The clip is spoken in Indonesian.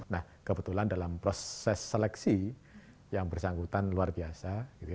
nah kebetulan dalam proses seleksi yang bersangkutan luar biasa